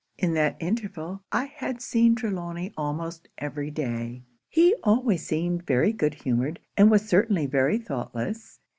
'In that interval, I had seen Trelawny almost every day. He always seemed very good humoured, and was certainly very thoughtless.